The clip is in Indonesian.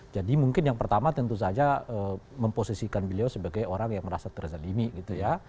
jadi mungkin yang pertama tentu saja memposisikan beliau sebagai orang yang merasa terzalimi gitu ya